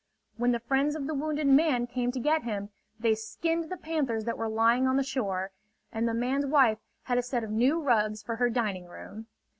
When the friends of the wounded man came to get him, they skinned the panthers that were lying on the shore; and the man's wife had a set of new rugs for her dining room.